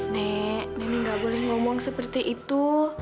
nenek nenek tidak boleh berbicara seperti itu